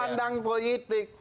sudut pandang politik